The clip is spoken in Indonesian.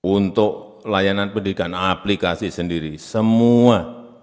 untuk layanan pendidikan aplikasi sendiri semua